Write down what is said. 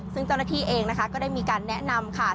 ซึ่งเจ้าหน้าที่เองนะคะก็ได้มีการแนะนำค่ะ